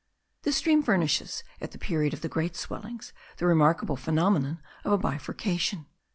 This stream furnishes, at the period of the great swellings, the remarkable phenomenon of a bifurcation.